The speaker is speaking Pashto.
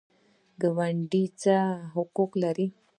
ګاونډي څه حقوق لري؟